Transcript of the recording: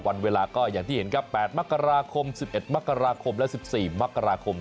วันเวลาก็อย่างที่เห็นครับ๘มกราคม๑๑มกราคมและ๑๔มกราคม